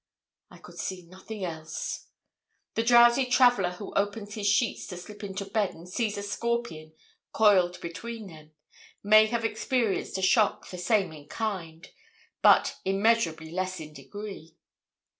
I could see nothing else. The drowsy traveller who opens his sheets to slip into bed, and sees a scorpion coiled between them, may have experienced a shock the same in kind, but immeasurably less in degree.